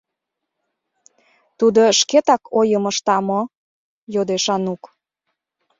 — Тудо шкетак ойым ышта мо? — йодеш Анук.